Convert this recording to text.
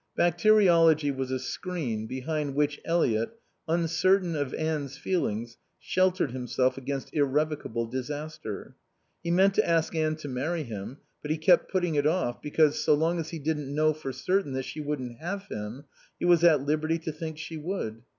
Bacteriology was a screen behind which Eliot, uncertain of Anne's feelings, sheltered himself against irrevocable disaster. He meant to ask Anne to marry him, but he kept putting it off because, so long as he didn't know for certain that she wouldn't have him, he was at liberty to think she would.